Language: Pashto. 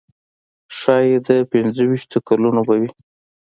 ښایي د پنځه ویشتو کلونو به وي.